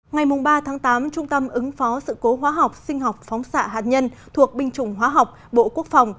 ngày ba tám trung tâm ứng phó sự cố hóa học sinh học phóng xạ hạt nhân thuộc binh chủng hóa học bộ quốc phòng